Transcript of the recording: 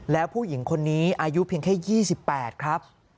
แล้วผู้หญิงคนนี้อายุเพียงแค่๒๘ครับ